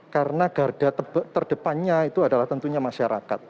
karena garda terdepannya itu adalah tentunya masyarakat